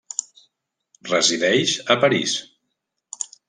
Resideix a París.